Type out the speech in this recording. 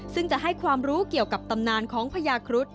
ซึ่งจะให้ความรู้เกี่ยวกับตำนานของพญาครุฑ